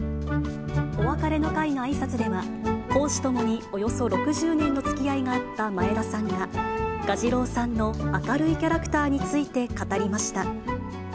お別れの会のあいさつでは、公私ともにおよそ６０年のつきあいがあった前田さんが、蛾次郎さんの明るいキャラクターについて語りました。